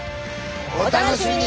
お楽しみに！